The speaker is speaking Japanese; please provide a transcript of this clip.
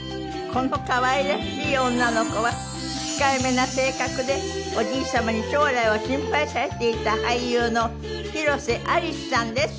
この可愛らしい女の子は控えめな性格でおじい様に将来を心配されていた俳優の広瀬アリスさんです。